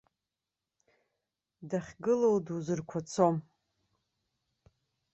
Дахьгылоу дузырқәацом.